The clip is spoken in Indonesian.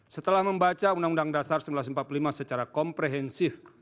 setelah membaca undang undang dasar seribu sembilan ratus empat puluh lima secara komprehensif